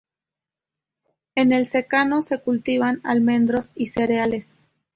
En el secano se cultiva almendros y cereales.